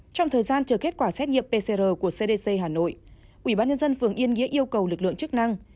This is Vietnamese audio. trong thời gian chờ kết quả xét nghiệm pcr của cdc hà nội ubnd phường yên nghĩa yêu cầu lực lượng chức năng